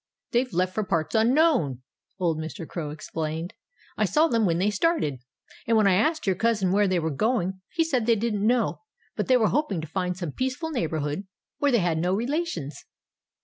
"They've left for parts unknown," old Mr. Crow explained. "I saw them when they started. And when I asked your cousin where they were going, he said that they didn't know, but they were hoping to find some peaceful neighborhood where they had no relations."